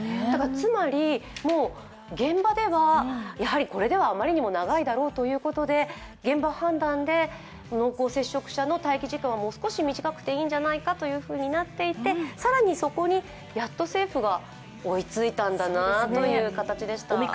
つまりもう現場ではこれでは余りにも長いだろうということで現場判断で濃厚接触者の待機期間をもう少し短くてもいいんじゃないかということになって更に、そこにやっと政府が追いついたんだなという形でした。